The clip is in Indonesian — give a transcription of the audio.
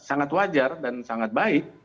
sangat wajar dan sangat baik